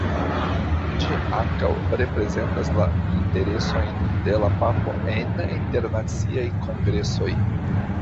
Ĝi ankaŭ reprezentas la interesojn de la papo en internaciaj kongresoj.